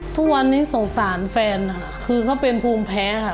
ทุกวันนี้สงสารแฟนค่ะคือเขาเป็นภูมิแพ้ค่ะ